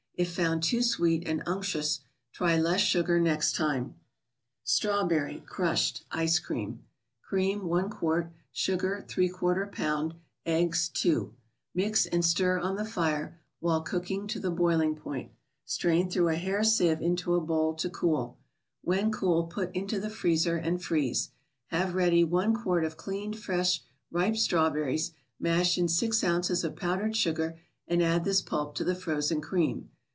If found too sweet and unctuous, try less sugar next time. ^tratobertp (CrustyeD) 3Ice>Cream. Cream, i qt.; Sugar, Y lb.; Eggs, 2. Mix, and stir on the »fire, while cooking to the boiling THE BOOK OF ICES. 36 point. Strain through a hair sieve into a bowl to cool. When cool, put into the freezer and freeze. Have ready one quart of cleaned, fresh, ripe strawberries, mash in six ounces of powdered sugar, and add this pulp to the frozen cream.